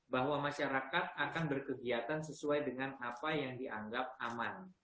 bahwa masyarakat akan berkegiatan sesuai dengan apa yang dianggap aman